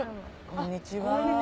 こんにちは。